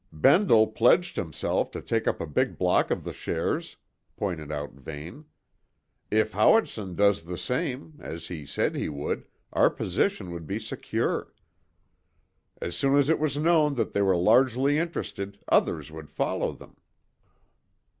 "Bendle pledged himself to take up a big block of the shares," pointed out Vane. "If Howitson does the same, as he said he would, our position would be secure. As soon as it was known that they were largely interested, others would follow them."